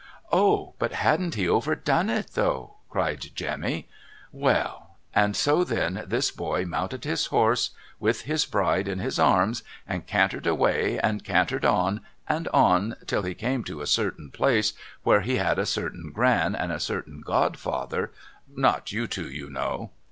' O, but hadn't he overdone it, though !' cried Jemmy. ' Well 1 And so then this boy mounted his horse, with his bride in his arms, and cantered away, and cantered on and on till he came to a certain place where he had a certain Gran and a certain godfather, — not you two, you know.'